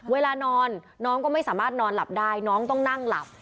เวลานอนน้องก็ไม่สามารถนอนหลับได้น้องต้องนั่งหลับ